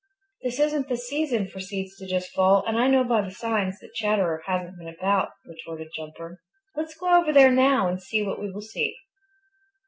"This isn't the season for seeds to just fall, and I know by the signs that Chatterer hasn't been about," retorted Jumper. "Let's go over there now and see what we will see."